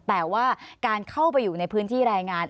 แต่ว่าการเข้าไปอยู่ในพื้นที่รายงาน